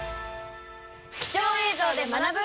貴重映像で学ぶ。